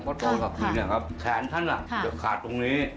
เพราะโตฑะภรรณีครับแขนท่านก็ขาดตรงนี้